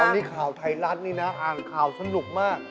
ตอนนี้ข่าวไทยรัฐนี่นะอ่านข่าวสนุกมาก